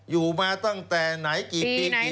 อยู่มาตั้งแต่ไหนกี่ปี